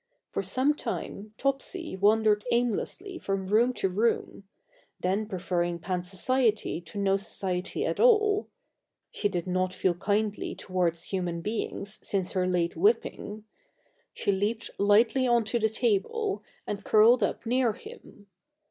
For some time Topsy wandered aimlessly from room to room; then preferring Pan's society to no society at all she did not feel kindly towards human beings since her late whipping she leaped lightly on to the table and curled up near him.